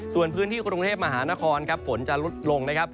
ส่วนพื้นที่กรุงเทพฯมหานครฝนจะลดลง